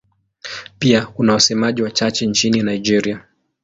Pia kuna wasemaji wachache nchini Nigeria.